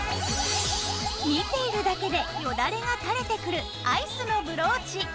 見ているだけでよだれが垂れてくるアイスのブローチ。